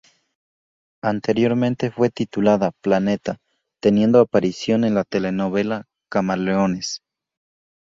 Anteriormente fue titulada ""Planeta"", teniendo aparición en la telenovela "Camaleones".